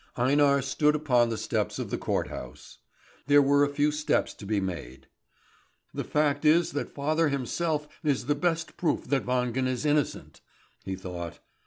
Einar stood upon the steps of the court house. There were a few steps to be made. "The fact is that father himself is the best proof that Wangen is innocent," he thought.